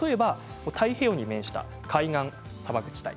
太平洋に面した海岸砂漠地帯。